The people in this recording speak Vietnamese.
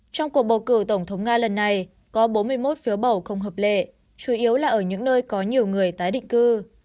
trong cuộc bầu cử tổng thống nga lần này có bốn mươi một phiếu bầu không hợp lệ chủ yếu là ở những nơi có nhiều người tái định cư